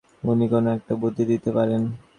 উনি কোনো-একটা বুদ্ধি দিতে পারেন।